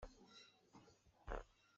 Ka ngang rih.